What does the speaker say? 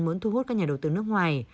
muốn thu hút các nhà đầu tư nước ngoài